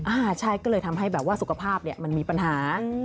อ่าใช่ก็เลยทำให้แบบว่าสุขภาพเนี่ยมันมีปัญหา